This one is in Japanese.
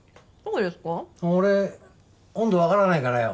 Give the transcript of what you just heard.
俺温度わからないからよ。